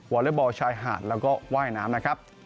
อเล็กบอลชายหาดแล้วก็ว่ายน้ำนะครับ